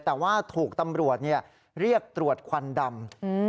แต่ว่าถูกตำรวจเนี้ยเรียกตรวจควันดำอืม